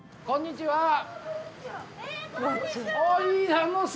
こんにちは！